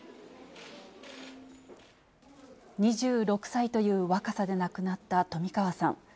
２６歳という若さで亡くなった冨川さん。